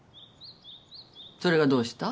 それがどうした？